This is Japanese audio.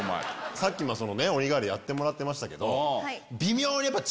さっき鬼瓦やってもらってましたけど。